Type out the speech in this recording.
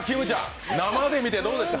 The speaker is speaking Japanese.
生で見てどうですか？